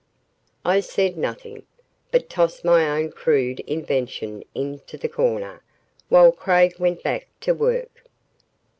I said nothing, but tossed my own crude invention into the corner, while Craig went back to work.